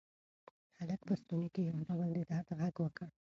هلک په ستوني کې یو ډول د درد غږ وکړ.